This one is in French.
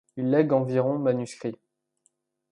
Il lègue environ manuscrites.